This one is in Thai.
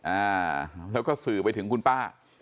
อ่าแล้วก็สื่อไปถึงคุณป้า